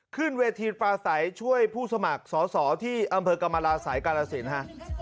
ขึ้นเวทีปลาใสช่วยผู้สมัครสอสอที่อำเภอกรรมราศัยกาลสินฮะ